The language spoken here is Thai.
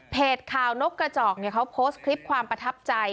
ข่าวนกกระจอกเขาโพสต์คลิปความประทับใจ